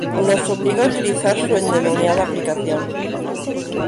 nos obliga a utilizar su endemoniada aplicación